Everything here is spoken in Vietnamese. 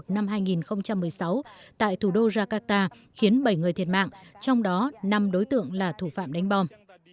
năm hai nghìn một mươi sáu tại thủ đô jakarta khiến bảy người thiệt mạng trong đó năm đối tượng là thủ phạm đánh bom